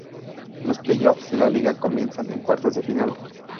Los play offs de la Liga comienzan en cuartos de final.